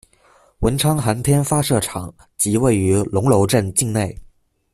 文昌航天发射场即位于龙楼镇境内。